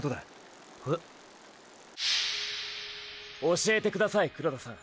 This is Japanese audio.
教えてください黒田さん。